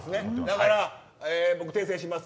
だから僕、訂正します。